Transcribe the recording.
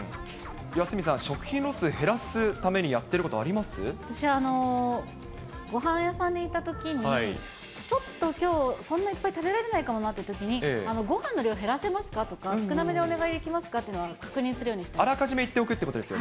鷲見さん、食品ロス、減らす私、ごはん屋さんに行ったときに、ちょっときょう、そんないっぱい食べられないかもなっていうときに、ごはんの量、減らせますか？とか、少なめでお願いできますかっていうのは、あらかじめ言っておくというはい。